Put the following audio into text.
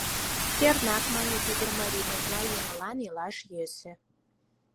— Кернак, — мане пӱгыр марий, — нужна еҥлан илаш йӧсӧ.